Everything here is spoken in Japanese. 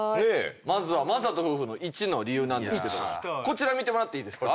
まずは魔裟斗夫婦の１の理由なんですけどこちら見てもらっていいですか。